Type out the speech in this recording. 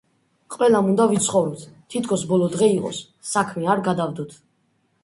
ყველამ უნდა ვიცხოვროთ, თითქოს ბოლო დღე იყოს! საქმე არ გადავდოთ!